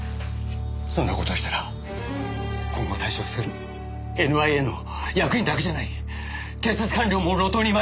そんな事をしたら今後退職するＮＩＡの役員だけじゃない警察官僚も路頭に迷う。